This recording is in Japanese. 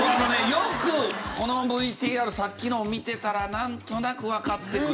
よくこのＶＴＲさっきのを見てたらなんとなくわかってくるような。